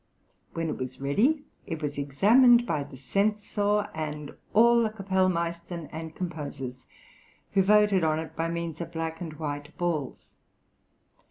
When it was ready it was examined by the censor, and all the kapellmeistem and composers, who voted on it by means of black and white balls.